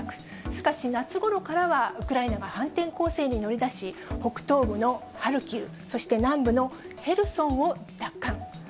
しかし夏ごろからはウクライナが反転攻勢に乗り出し、北東部のハルキウ、そして南部のヘルソンを奪還。